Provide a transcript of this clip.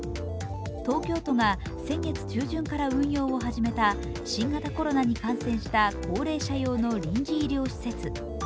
東京都が先月中旬から運用を始めた新型コロナに感染した高齢者用の臨時医療施設。